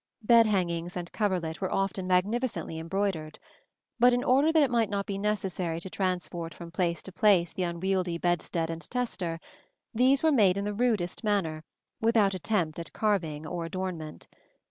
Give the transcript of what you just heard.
Bed hangings and coverlet were often magnificently embroidered; but in order that it might not be necessary to transport from place to place the unwieldy bedstead and tester, these were made in the rudest manner, without attempt at carving or adornment.